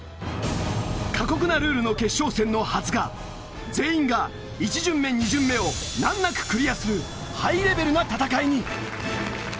過酷のルールの決勝戦のはずが全員が１巡目２巡目を難なくクリアするハイレベルな戦いに。